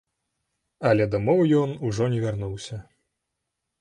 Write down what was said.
Але дамоў ён ужо не вярнуўся.